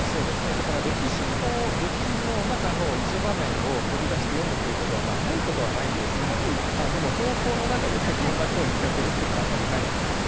だから歴史の中の一場面を取り出して詠むっていうことはないことはないんですがでも投稿の中でこんな句を見かけるっていうのはあまりないんですね。